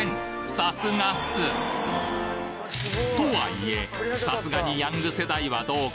さすがッス！とはいえさすがにヤング世代はどうか？